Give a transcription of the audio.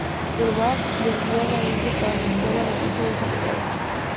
El Báb le envió a La India para anunciar la noticia de Su llegada.